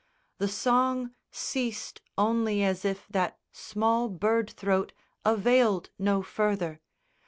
The song ceased only as if that small bird throat Availed no further.